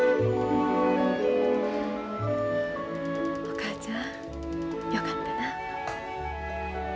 お母ちゃんよかったな。